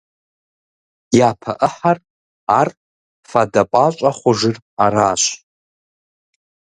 Япэ ӏыхьэр, ар «фадэ пӀащӀэ» хъужыр аращ.